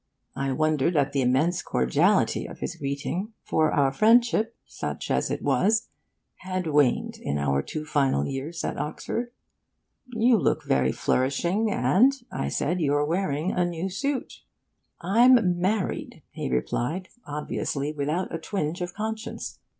I wondered at the immense cordiality of his greeting; for our friendship, such as it was, had waned in our two final years at Oxford. 'You look very flourishing, and,' I said, 'you're wearing a new suit!' 'I'm married,' he replied, obviously without a twinge of conscience.